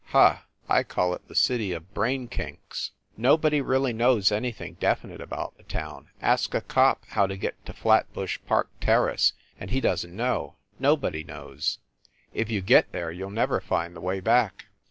Huh! I call it the City of Brainkinks. Nobody really knows anything definite about the town. Ask a cop how to get to Flatbush Park Terrace, and he doesn t know. Nobody knows. If you get there, you ll never find the way back.